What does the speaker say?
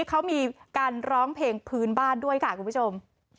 เขามีการร้องเพลงพื้นบ้านด้วยค่ะคุณผู้ชม